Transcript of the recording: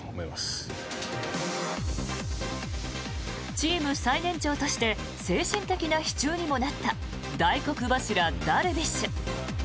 チーム最年長として精神的な支柱にもなった大黒柱、ダルビッシュ。